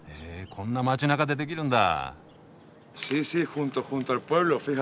こんな街なかでできるんだ！